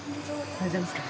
大丈夫ですか。